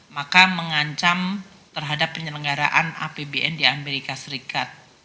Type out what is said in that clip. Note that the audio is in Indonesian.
maka mengancam terhadap penyelenggaraan apbn di amerika serikat